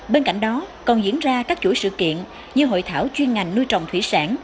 bên cạnh đó còn diễn ra các chuỗi sự kiện như hội thảo chuyên ngành nuôi trồng thủy sản